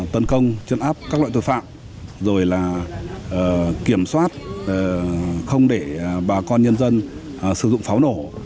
tấn công chấn áp các loại tội phạm rồi là kiểm soát không để bà con nhân dân sử dụng pháo nổ